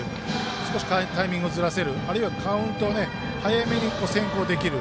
少しタイミングをずらせるあるいはカウントを早めに先行できる。